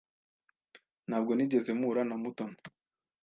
Ntabwo nigeze mpura na Mutoni.